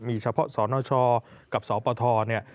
มีเฉพาะสนชกับสปทเนี่ย